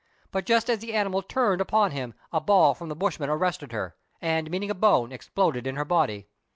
But just as the animal turned upon him, a ball from the bushman arrested her, and, meeting a bone, exploded in her body.